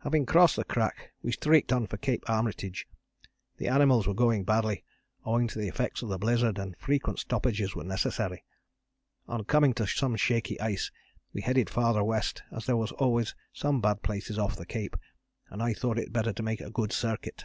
Having crossed the crack we streaked on for Cape Armitage. The animals were going badly, owing to the effects of the blizzard, and frequent stoppages were necessary. On coming to some shaky ice we headed farther west as there were always some bad places off the cape, and I thought it better to make a good circuit.